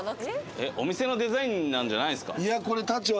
お店のデザインなんじゃないんですか？